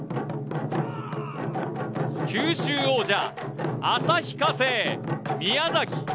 九州王者、旭化成・宮崎。